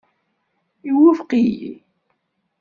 Iwufeq-iyi.